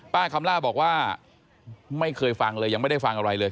คำล่าบอกว่าไม่เคยฟังเลยยังไม่ได้ฟังอะไรเลย